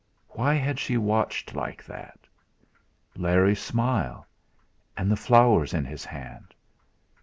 Why had she watched like that? Larry's smile; and the flowers in his hand?